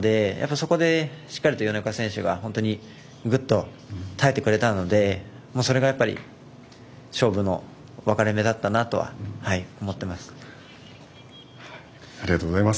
そこでしっかりと米岡選手が本当にぐっと耐えてくれたのでそれがやっぱり勝負の分かれ目だったなとはありがとうございます。